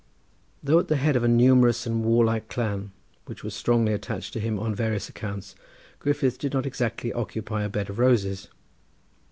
Though at the head of a numerous and warlike clan which was strongly attached to him on various accounts, Griffith did not exactly occupy a bed of roses.